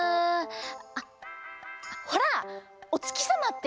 あっほらおつきさまって